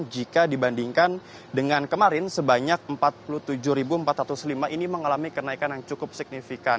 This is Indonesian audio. dan jika dibandingkan dengan kemarin sebanyak empat puluh tujuh empat ratus lima ini mengalami kenaikan yang cukup signifikan